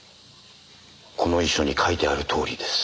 この遺書に書いてあるとおりです。